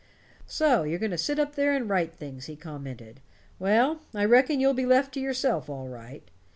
"So you're going to sit up there and write things," he commented. "Well, I reckon you'll be left to yourself, all right."